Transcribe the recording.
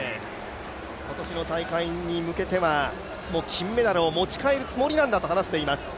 今年の大会に向けては金メダルを持ち帰るつもりなんだと話しています。